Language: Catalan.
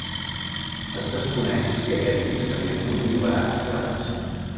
Es desconeix si aquest lliscament continuarà accelerant-se.